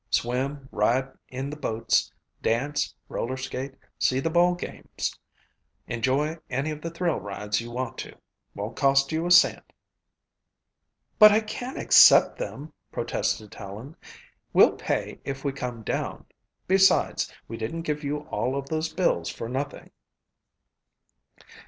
Swim, ride in the boats, dance, roller skate, see the ball games, enjoy any of the 'thrill rides' you want to. Won't cost you a cent." "But I can't accept them," protested Helen. "We'll pay if we come down. Besides, we didn't give you all of those bills for nothing."